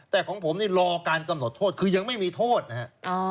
แต่ของผมนี่รอการกำหนดโทษคือยังไม่มีโทษนะครับ